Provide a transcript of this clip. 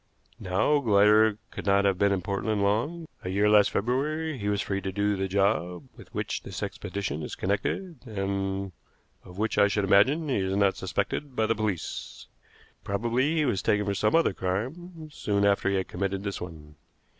Now, Glider could not have been in Portland long. A year last February he was free to do the job with which this expedition is connected, and of which I should imagine he is not suspected by the police. Probably he was taken for some other crime soon after he had committed this one.